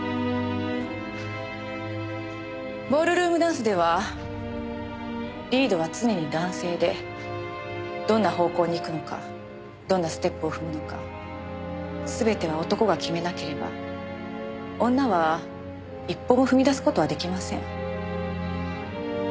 ボールルームダンスではリードは常に男性でどんな方向に行くのかどんなステップを踏むのか全ては男が決めなければ女は一歩も踏み出す事は出来ません。